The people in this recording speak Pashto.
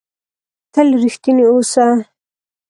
تل ریښتونی اووسه!